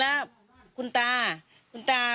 เลขทะเบียนรถจากรยานยนต์